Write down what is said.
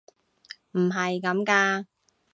唔係咁㗎！